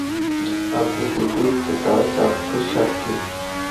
আপনি কিন্তু তার চাক্ষুষ সাক্ষী!